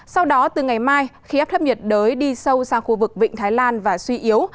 sau đó từ ngày mai khi áp thấp nhiệt đới đi sâu sang khu vực vịnh thái lan và suy yếu